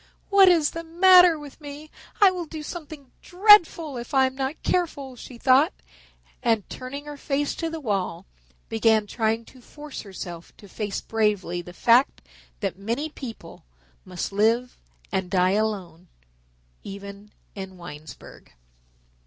"What is the matter with me? I will do something dreadful if I am not careful," she thought, and turning her face to the wall, began trying to force herself to face bravely the fact that many people must live and die alone, even in Winesburg.